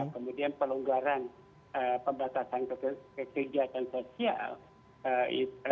kemudian pelonggaran pembatasan kegiatan sosial